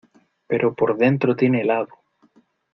pero por dentro tiene helado.